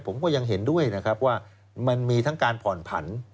ผมก็ยังเห็นด้วยนะครับว่ามันมีทั้งการผ่อนผัน